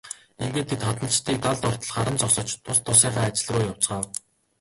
Ингээд тэд хадланчдыг далд ортол харан зогсож тус тусынхаа ажил руу явцгаав.